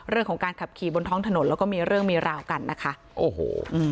เรื่องของการขับขี่บนท้องถนนแล้วก็มีเรื่องมีราวกันนะคะโอ้โหอืม